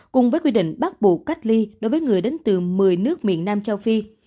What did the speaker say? cùng với quy định bắt buộc cách ly đối với người đến từ một mươi nước miền nam châu phi